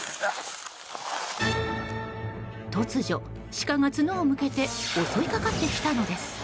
突如、シカが角を向けて襲いかかってきたのです。